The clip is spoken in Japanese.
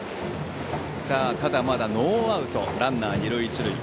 さあ、ただ、まだノーアウトランナー、二塁一塁。